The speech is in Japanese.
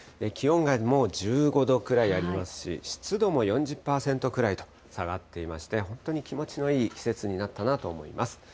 気温がもう１５度くらいありますし、湿度も４０％くらいと下がっていまして、本当に気持ちのいい季節になったなと思います。